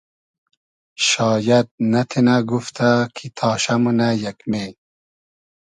شاید نئتینۂ گوفتۂ کی تاشۂ مونۂ یئگمې